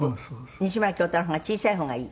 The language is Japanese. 「西村京太郎の方が小さい方がいい」